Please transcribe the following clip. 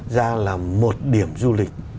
ra là một điểm du lịch